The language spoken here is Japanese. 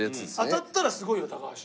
当たったらすごいよ高橋。